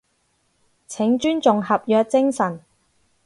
請尊重合約精神